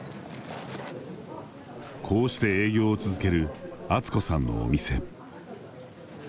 こうして営業を続ける敦子さんのお店。